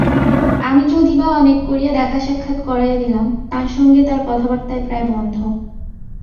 আমি যদি-বা অনেক করিয়া দেখাসাক্ষাৎ করাইয়া দিলাম, তাঁর সঙ্গে তার কথাবার্তাই প্রায় বন্ধ।